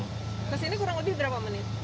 ke sini kurang lebih berapa menit